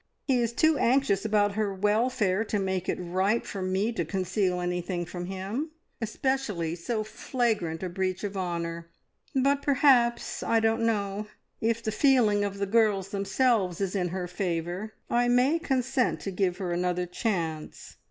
He is too anxious about her welfare to make it right for me to conceal anything from him, especially so flagrant a breach of honour; but perhaps I don't know if the feeling of the girls themselves is in her favour, I may consent to give her another chance.